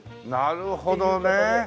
なるほどね。